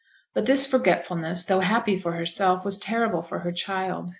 But this forgetfulness, though happy for herself, was terrible for her child.